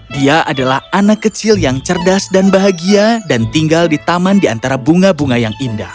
dia adalah anak kecil yang cerdas dan bahagia dan tinggal di taman di antara bunga bunga yang indah